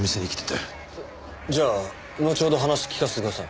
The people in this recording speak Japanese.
じゃあのちほど話聞かせてください。